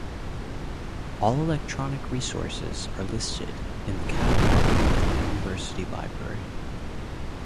All electronic resources are listed in the catalogue of the University Library.